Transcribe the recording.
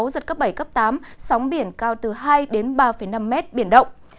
giật cấp bảy cấp tám sóng biển cao từ hai đến ba năm mét biển động